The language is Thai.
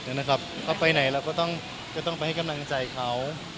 เขาไปไหนเราก็ต้องไปให้กำลังใจเขา